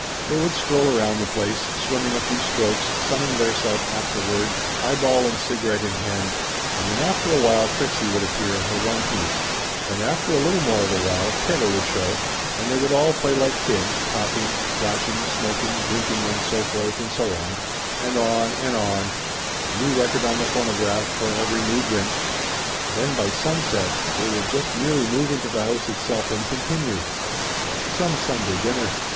They would stroll around the place, swimming a few strokes, sunning theirself afterward, highball and cigarette in hand, and then after a while Trixie would appear in her one piece, and after a little more of a while Taylor would show, and they would all play like kids, talking, splashing, smoking, drinking, and so forth and so on, and on, and on, a new record on the phonograph for every new drink. Then by sunset they would just merely move into the house itself, and continue. Some 156 Laughter Limited Sunday dinner